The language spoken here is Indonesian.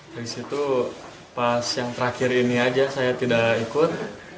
dari situ pas yang terakhir ini aja saya tidak ikut